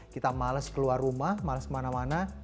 kita males keluar rumah males kemana mana